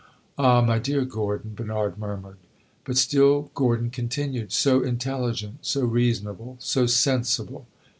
"Ah, my dear Gordon!" Bernard murmured. But still Gordon continued. "So intelligent, so reasonable, so sensible."